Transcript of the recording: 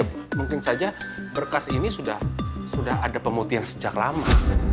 mungkin saja mungkin saja berkas ini sudah sudah ada pemutih yang sejak lama